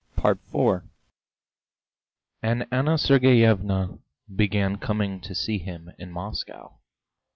IV And Anna Sergeyevna began coming to see him in Moscow.